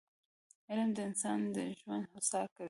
علم د انسان ژوند هوسا کوي